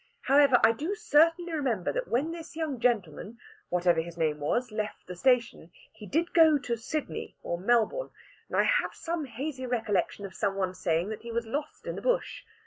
However, I do certainly remember that when this young gentleman, whatever his name was, left the station, he did go to Sydney or Melbourne, and I have some hazy recollection of some one saying that he was lost in the Bush.